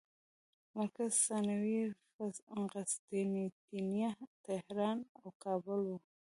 مرکز ثانوي یې قسطنطنیه، طهران او کابل وو.